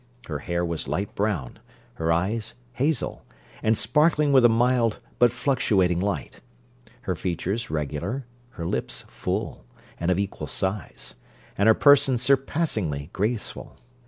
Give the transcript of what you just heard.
Her hair was light brown; her eyes hazel, and sparkling with a mild but fluctuating light; her features regular; her lips full, and of equal size; and her person surpassingly graceful.